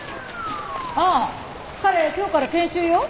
ああ彼今日から研修よ。